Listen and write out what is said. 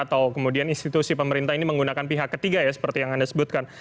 atau kemudian institusi pemerintah ini menggunakan pihak ketiga ya seperti yang anda sebutkan